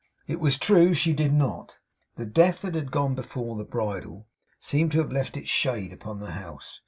It was true; she did not. The death that had gone before the bridal seemed to have left its shade upon the house.